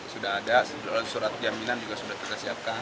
sudah ada surat jaminan juga sudah kita siapkan